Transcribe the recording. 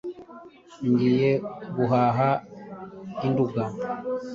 ngiye guhaha i nduga